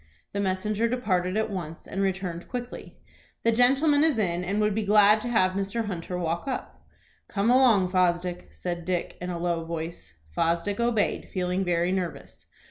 The messenger departed at once, and returned quickly. "The gentleman is in, and would be glad to have Mr. Hunter walk up." "Come along, Fosdick," said Dick, in a low voice. Fosdick obeyed, feeling very nervous.